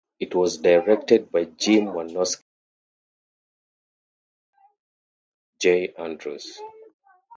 It was directed by Jim Wynorski under the pseudonym "Jay Andrews".